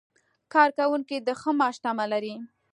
کارکوونکي د ښه معاش تمه لري.